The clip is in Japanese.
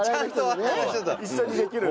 一緒にできる。